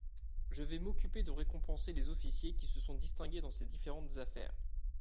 Je vais m'occuper de récompenser les officiers qui se sont distingués dans ces différentes affaires.